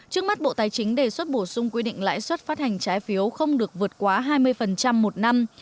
trước mắt bộ tài chính đề xuất bổ sung quy định lãi suất phát hành trái phiếu không được vượt quá hai mươi một năm